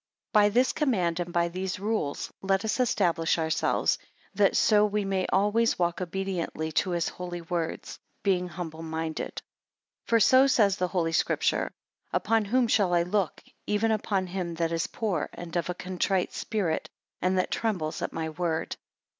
5 By this command, and by these rules, let us establish ourselves, that so we may always walk obediently to his holy words; being humble minded: 6 For so says the Holy Scripture; upon whom shall I look, even upon him that is poor and of a contrite spirit, and that trembles at my word.